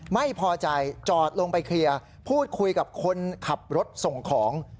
ไม่พอใจจอดลงไปเคลียร์พูดคุยกับคนขับรถส่งของ